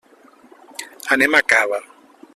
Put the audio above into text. Anem a Cava.